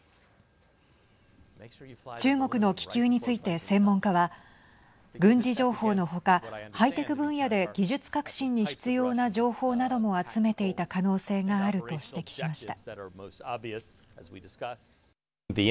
中国の気球について専門家は軍事情報の他ハイテク分野で技術革新に必要な情報なども集めていた可能性があると指摘しました。